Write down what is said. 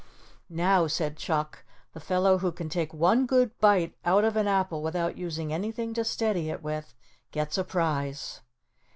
"Now," said Chuck, "the fellow who can take one good bite out of an apple without using anything to steady it with, gets a prize."